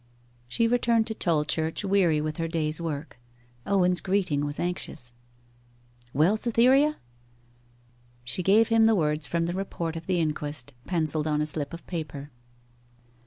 She returned to Tolchurch weary with her day's work. Owen's greeting was anxious 'Well, Cytherea?' She gave him the words from the report of the inquest, pencilled on a slip of paper.